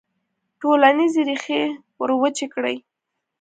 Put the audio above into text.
ټولنیزې ریښې وروچې کړي.